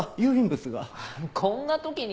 こんな時に？